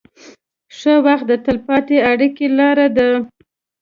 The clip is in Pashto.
ښه خدمت د تل پاتې اړیکې لاره ده.